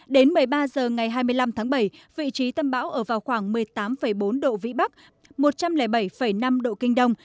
đến một mươi ba h ngày hai mươi năm tháng bảy vị trí tâm bão ở vào khoảng một mươi tám bốn độ vĩ bắc một trăm linh bảy năm độ kinh đông